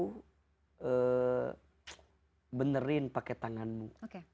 jika engkau bisa menerimu pakai tanganmu